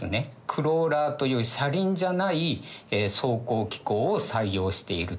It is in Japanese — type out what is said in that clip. クローラーという車輪じゃない走行機構を採用していると。